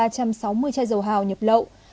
ba trăm sáu mươi chai dầu hào nhập lậu